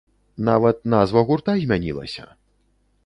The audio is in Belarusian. Нават назва гурта змянілася!